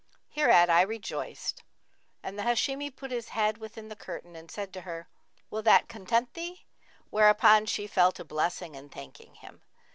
Hereat I rejoiced and the Hashimi put his head within the curtain and said to her, 'Will that content thee?'; whereupon she fell to blessing and thanking him.